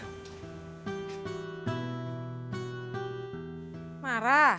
gak ada masalah